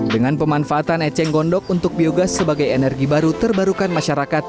dengan pemanfaatan eceng gondok untuk biogas sebagai energi baru terbarukan masyarakat